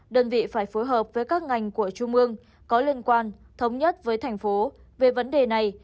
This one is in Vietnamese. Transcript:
đơn vị phải phối hợp với các ngành của trung mương có liên quan thống nhất với thành phố về vấn đề này